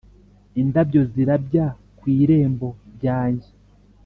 indabyo zirabya ku irembo ryanjye,